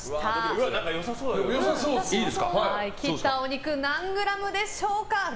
切ったお肉何グラムでしょうか。